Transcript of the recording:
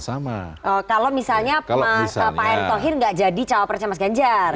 sama kalau misalnya pak erick thohir nggak jadi cawapresnya mas ganjar